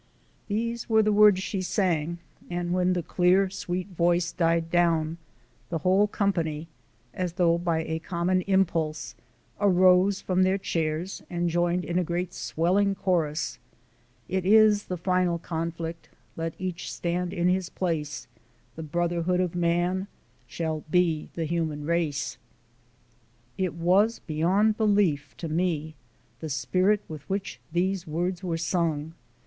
These were the words she sang, and when the clear, sweet voice died down the whole company, as though by a common impulse, arose from their chairs, and joined in a great swelling chorus: It is the final conflict, Let each stand in his place, The Brotherhood of Man Shall be the human race. It was beyond belief, to me, the spirit with which these words were sung.